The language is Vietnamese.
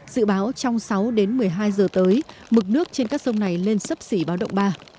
dự báo trong sáu đến một mươi hai giờ tới mực nước trên các sông này lên sấp xỉ báo động ba